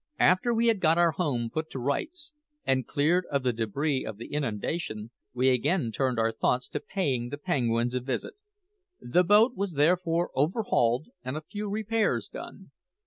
After we had got our home put to rights, and cleared of the debris of the inundation, we again turned our thoughts to paying the penguins a visit. The boat was therefore overhauled and a few repairs done.